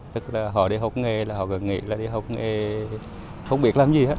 tức là họ đi học nghề là họ cần nghề là đi học nghề không biết làm gì hết